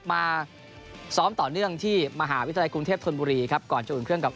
มาซ้อนต่อเนื่องที่มหาวิทยาลัยกรุงเทพธนบุรีครับ